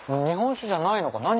日本酒じゃないのか。